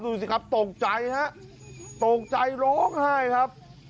ดูสิครับตกใจฮะตกใจร้องไห้ครับ